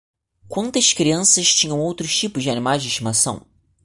Quantas crianças tinham outros tipos de animais de estimação?